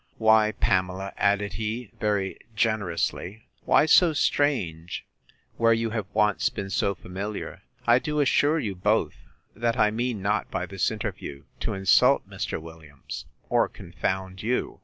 Why, Pamela, added he, very generously, why so strange, where you have once been so familiar? I do assure you both, that I mean not, by this interview, to insult Mr. Williams, or confound you.